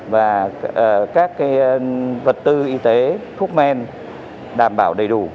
và các vật tư y tế thuốc men đảm bảo đầy đủ